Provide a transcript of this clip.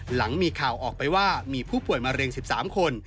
หลังมีข่าวออกไปว่ามีผู้ป่วยมะเร็ง๑๓คน